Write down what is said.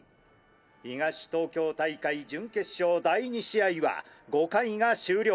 東東京大会準決勝第２試合は５回が終了。